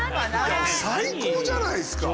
最高じゃないっすか！